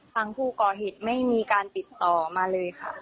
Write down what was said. ทางผู้ก่อเหตุไม่มีการติดต่อมาเลยค่ะ